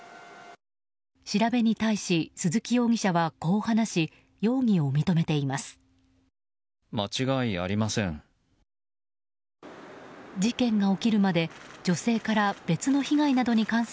調べに対し鈴木容疑者はこう話し容疑を認めています。